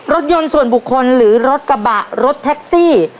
รถยนต์ส่วนบุคคลหรือรถกระบะรถแท็กซี่